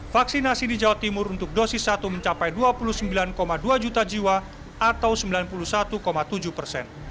vaksinasi di jawa timur untuk dosis satu mencapai dua puluh sembilan dua juta jiwa atau sembilan puluh satu tujuh persen